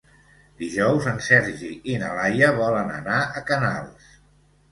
Dijous en Sergi i na Laia volen anar a Canals.